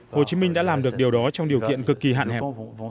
hồ chí minh đã làm được điều đó trong điều kiện cực kỳ hạn hẹp